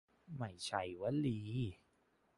ไม่ใช่วลี